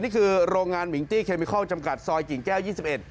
นี่คือโรงงานมิงตี้เคมิคอลจำกัดซอยกิ่งแก้ว๒๑